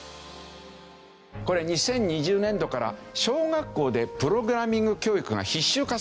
これ２０２０年度から小学校でプログラミング教育が必修化されたんですよ。